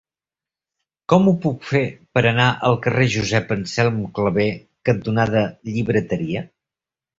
Com ho puc fer per anar al carrer Josep Anselm Clavé cantonada Llibreteria?